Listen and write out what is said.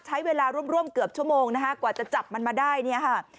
ใช้เวลาร่วมเกือบชั่วโมงนะคะกว่าจะจับมันมาได้เนี่ยค่ะ